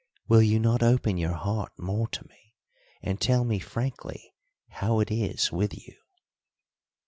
Will you not open your heart more to me and tell me frankly how it is with you?"